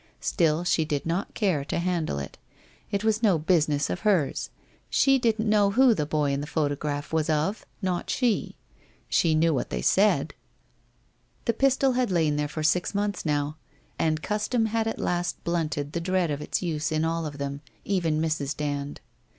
Still, she did not care to handle it. It was no business of hers. She didn't know who the boy in the photograph was of — not she! She knew what they said. 400 WHITE ROSE OF WEARY LEAP .... The pistol had lain there for six months now, and custom had at last blunted the dread of its use in all of them, even in Mrs. Dand.